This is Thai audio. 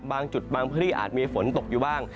บางจุดบางพื้นที่อาจมีฝนตกอยู่บ้าง